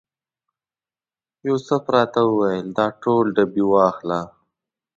یوسف راته وویل دا ټول ډبې واخله.